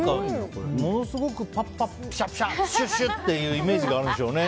ものすごくパッパッピシャピシャッシュッシュッていうイメージがあるんでしょうね。